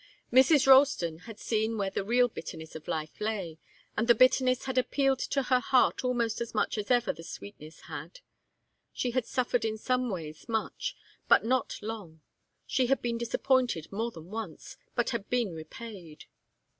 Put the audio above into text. Mrs. Ralston had seen where the real bitterness of life lay, and the bitterness had appealed to her heart almost as much as ever the sweetness had. She had suffered in some ways much, but not long; she had been disappointed more than once, but had been repaid.